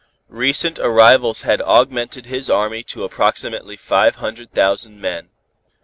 Recent arrivals had augmented his army to approximately five hundred thousand men.